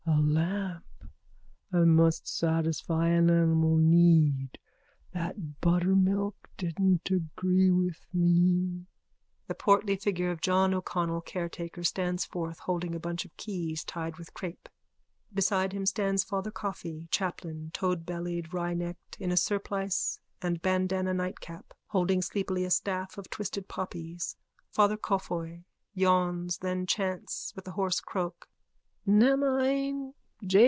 _ A lamp. I must satisfy an animal need. That buttermilk didn't agree with me. _(The portly figure of John O'Connell, caretaker, stands forth, holding a bunch of keys tied with crape. Beside him stands Father Coffey, chaplain, toadbellied, wrynecked, in a surplice and bandanna nightcap, holding sleepily a staff of twisted poppies.)_ FATHER COFFEY: (Yawns, then chants with a hoarse croak.) Namine.